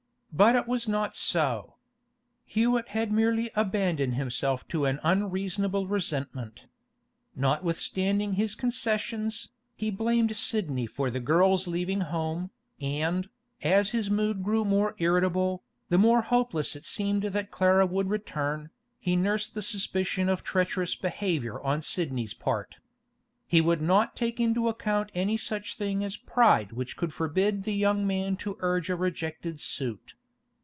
But it was not so. Hewett had merely abandoned himself to an unreasonable resentment. Notwithstanding his concessions, he blamed Sidney for the girl's leaving home, and, as his mood grew more irritable, the more hopeless it seemed that Clara would return, he nursed the suspicion of treacherous behaviour on Sidney's part. He would not take into account any such thing as pride which could forbid the young man to urge a rejected suit.